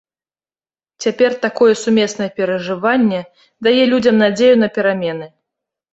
Цяпер такое сумеснае перажыванне дае людзям надзею на перамены.